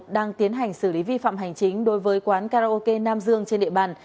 đang tiến hành xử lý vi phạm hành chính đối với quán karaoke nam dương trên địa bàn